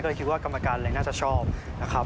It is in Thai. ก็เลยคิดว่ากรรมการเลยน่าจะชอบนะครับ